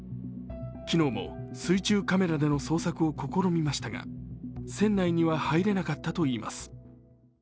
昨日も水中カメラでの捜索を試みましたが船内には入れなかったといいます。